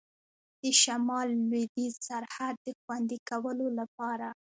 د شمال لوېدیځ سرحد د خوندي کولو لپاره.